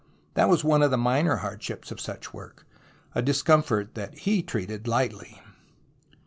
That was one of the minor hardships of such work, a discomfort that he treated Ughtly.